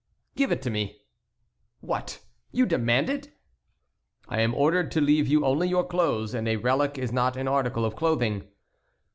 "Give it to me." "What! you demand it?" "I am ordered to leave you only your clothes, and a relic is not an article of clothing."